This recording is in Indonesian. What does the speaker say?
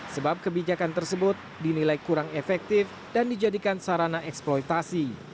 sebab kebijakan tersebut dinilai kurang efektif dan dijadikan sarana eksploitasi